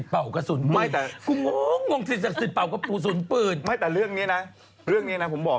เอาต้นข้อไงสมัยก่อนผมก็ข้อ